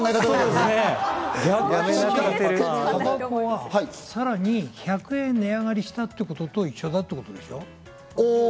さらに、タバコが１００円値上がりしたということと一緒だってことでしょ？